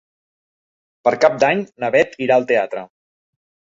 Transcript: Per Cap d'Any na Bet irà al teatre.